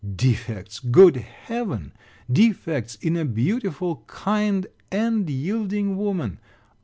Defects! Good heaven! Defects, in a beautiful, kind, and yielding woman!